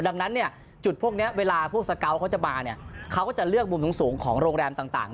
ดังนั้นเนี่ยจุดพวกนี้เวลาพวกสเกาะเขาจะมาเนี่ยเขาก็จะเลือกมุมสูงของโรงแรมต่าง